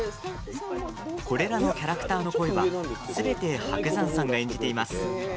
これらのキャラクターの声はすべて伯山さんが演じています。